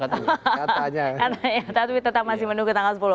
tapi tetap masih menunggu tanggal sepuluh